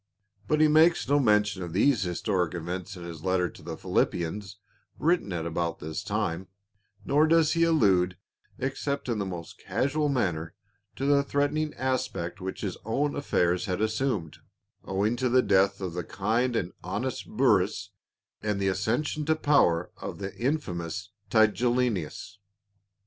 But he makes no mention of these historic events in his letter to the Philippians, written at about this time ; nor does he allude, except in the most casual manner, to the threatening aspect which his own affairs had assumed, owing to the death of the kind and honest Burrus and the accession to power of the infamous Tigellinus.